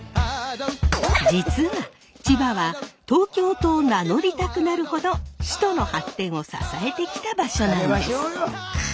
実は千葉は東京と名乗りたくなるほど首都の発展を支えてきた場所なんです！